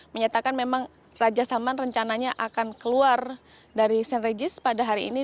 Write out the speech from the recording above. menyatakan memang raja salman rencananya akan keluar dari st regis pada hari ini